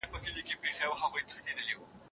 هغوی له ډیرې مودې راهیسې په دې ځمکه کار کوي.